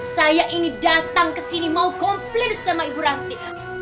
saya ini datang kesini mau komplain sama ibu ranti